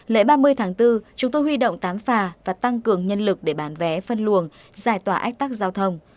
lễ ba mươi tháng bốn chúng tôi huy động tám phà và tăng cường nhân lực để bán vé phân luồng giải tỏa ách tắc giao thông